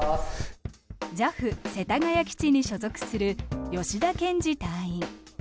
ＪＡＦ世田谷基地に所属する吉田賢二隊員。